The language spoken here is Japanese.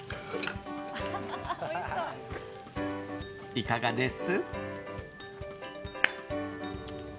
いかがです？